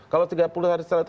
kalau tiga puluh hari setelah itu